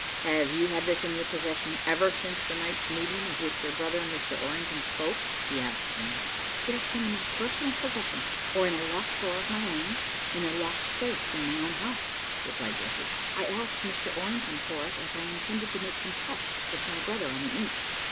"Have you had this in your possession ever since the night's meeting of which your brother and Mr. Orrington spoke?" he asked again. "It has been in my personal possession, or in a locked drawer of my own, in a locked safe in my own house," replied Dorothy. "I asked Mr. Orrington for it, as I intended to make some tests with my brother on the ink.